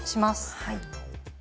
はい。